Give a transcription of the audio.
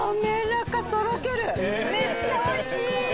めっちゃおいしい！